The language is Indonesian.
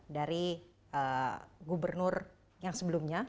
dari gubernur yang sebelumnya